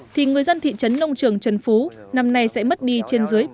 thì người dân thị trấn nông trường trần phú năm nay sẽ mất đi trên dưới một mươi tỷ đồng